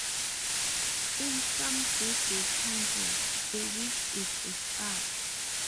In some birthday candles, the wick is a stub.